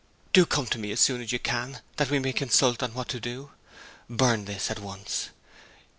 Do come to me as soon as you can, that we may consult on what to do. Burn this at once.